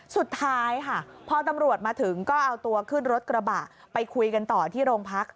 สุดท้ายค่ะพอตำรวจมาถึงก็เอาตัวขึ้นรถกระบะไปคุยกันต่อที่โรงพัก